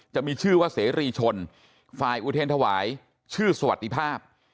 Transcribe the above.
จะมีชื่อว่าเสรีชนฝ่ายอุเทรนธวายชื่อสวัสดีภาพ